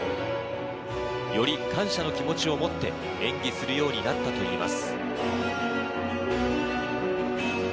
より感謝の気持ちを持って演技するようになったといいます。